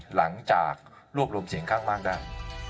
หลังจากรวบรวมเสียงข้างมากได้